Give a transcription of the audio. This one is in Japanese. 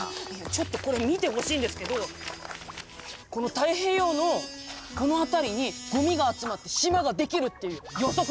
ちょっとこれ見てほしいんですけどこの太平洋のこの辺りにごみが集まって島ができるっていう予測があるんですよ。